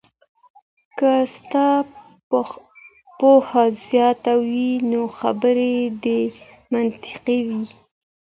که ستا پوهه زياته وي نو خبري دې منطقي وي.